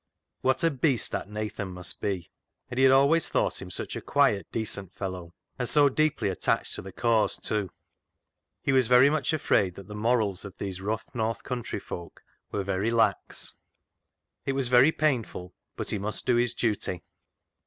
What a beast that Nathan must be ! And he had always thought him such a quiet, decent fellow. And so deeply attached to the cause, too ! He was very much afraid that the morals of these rough north country folk were very lax. It was very painful, but he must do his duty.